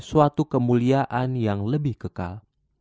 suatu kemuliaan yang lebih kekal